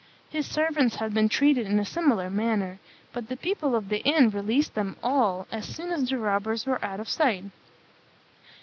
His servants had been treated in a similar manner; but the people of the inn released them all as soon as the robbers were out of sight.